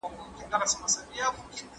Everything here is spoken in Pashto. د ځوانانو لارښوونه يې دوامداره وه.